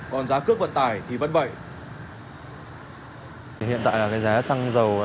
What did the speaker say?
còn giá cước vận tải thì vẫn bất ngờ